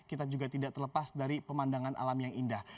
kita juga tidak terlepas dari pemandangan alam yang indah